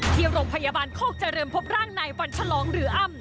ที่โรงพยาบาลโคกเจริญพบร่างนายวันฉลองหรืออ้ำ